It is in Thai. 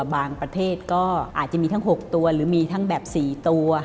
ประเทศก็อาจจะมีทั้ง๖ตัวหรือมีทั้งแบบ๔ตัว